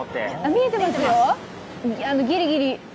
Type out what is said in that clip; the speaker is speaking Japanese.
見えてますよ、ギリギリ。